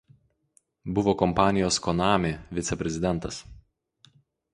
Buvo kompanijos „Konami“ viceprezidentas.